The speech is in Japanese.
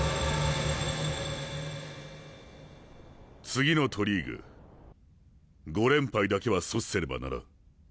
次の都リーグ５連敗だけは阻止せねばならん。